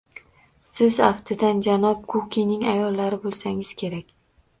Siz, aftidan, janob Kukining ayollari bo`lsangiz kerak